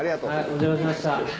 お邪魔しました。